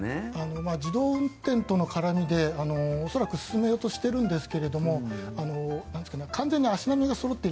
自動運転との絡みで恐らく進めようとしているんですけど完全に足並みがそろってない。